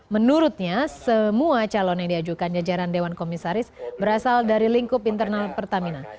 menurutnya semua calon yang diajukan jajaran dewan komisaris berasal dari lingkup internal pertamina